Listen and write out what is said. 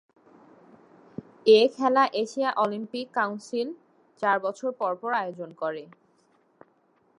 এ খেলা Asia Olympic Council চার বছর পর পর আয়োজন করে।